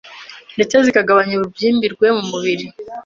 ndetse zikagabanya ububyimbirwe mu mubiri